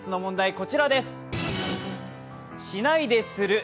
こちらです。